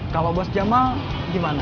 kalau bos jamal gimana